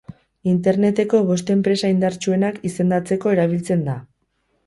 Interneteko bost enpresa indartsuenak izendatzeko erabiltzen da.